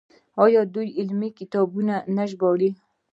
آیا دوی علمي کتابونه نه ژباړي؟